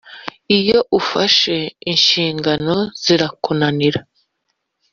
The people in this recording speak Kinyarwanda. iyo ufashe inshingano zirakunanira,